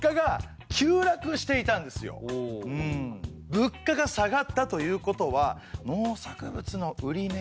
物価が下がったということは農作物の売値も。